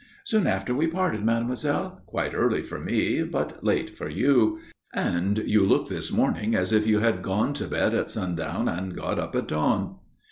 "Soon after we parted, mademoiselle, quite early for me but late for you. And you look this morning as if you had gone to bed at sundown and got up at dawn."